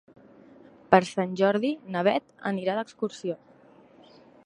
Per Sant Jordi na Beth anirà d'excursió.